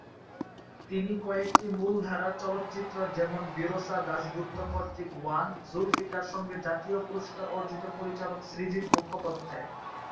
তিনি কয়েকটি মূলধারার চলচ্চিত্র যেমন বিরসা দাশগুপ্ত কর্তৃক ওয়ান, জুলফিকার সঙ্গে জাতীয় পুরস্কার অর্জিত পরিচালক সৃজিত মুখোপাধ্যায়।